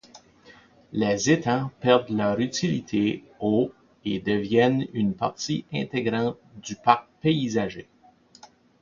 Les étangs perdent leur utilité au et deviennent une partie intégrante du parc paysagé.